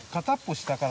下から。